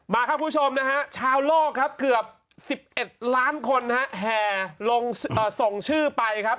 ครับผู้ชมนะฮะชาวโลกครับเกือบ๑๑ล้านคนนะฮะแห่ลงส่งชื่อไปครับ